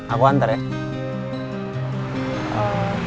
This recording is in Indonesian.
aku antar ya